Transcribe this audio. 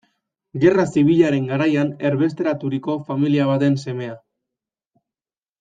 Gerra Zibilaren garaian erbesteraturiko familia baten semea.